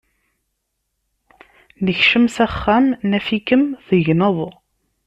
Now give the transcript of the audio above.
Nekcem s axxam, naf-ikem tegneḍ.